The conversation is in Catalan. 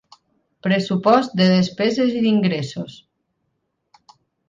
Pressupost de despeses i d'ingressos.